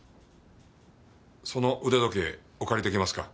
その腕時計お借り出来ますか？